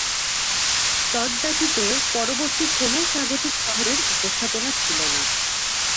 তদ্ব্যতীত, পরবর্তী কোনও স্বাগতিক শহরের উপস্থাপনা ছিল না।